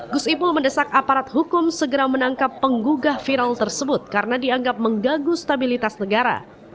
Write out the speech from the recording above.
gus ipul mendesak aparat hukum segera menangkap penggugah viral tersebut karena dianggap mengganggu stabilitas negara